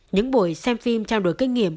những buổi xem phim trao đổi kinh nghiệm